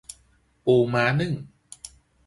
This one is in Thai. ปูม้านึ่ง